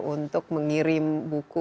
untuk mengirim buku